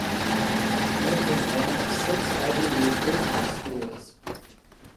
It is one of six Ivy League business schools.